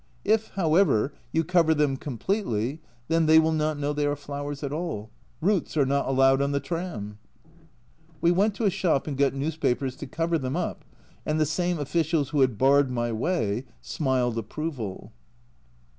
If, however, you cover them completely, then they will not know they are flowers at all. Roots are not allowed on the tram." We went to a shop and got newspapers to cover them up, and the same officials who had barred my way smiled approval